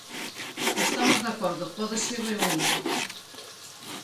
Estamos de acordo, pódese ir reunindo.